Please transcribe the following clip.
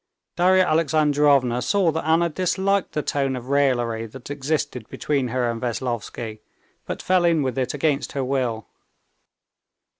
Darya Alexandrovna saw that Anna disliked the tone of raillery that existed between her and Veslovsky, but fell in with it against her will.